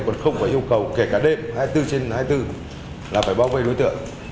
còn không phải yêu cầu kể cả đêm hai mươi bốn trên hai mươi bốn là phải bao vây đối tượng